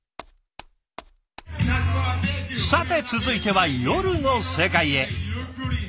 さて続いては夜の世界へ。